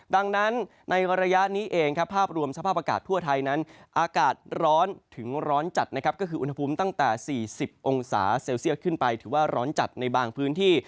ดังนั้นในระยะนี้เองครับภาพรวมสภาพอากาศทั่วไทยนั้นอากาศร้อนถึงร้อนจัดนะครับก็คืออุณหภูมิตั้งแต่๔๐องศาเซลเซียตขึ้นไปถือว่าร้อนจัดในบางพื้นที่